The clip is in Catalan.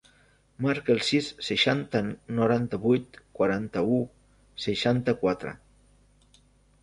Marca el sis, seixanta, noranta-vuit, quaranta-u, seixanta-quatre.